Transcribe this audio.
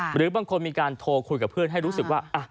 หรือบางคนมีการโทรคุยกับเพื่อนให้รู้สึกว่า